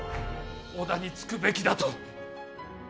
織田につくべきだと。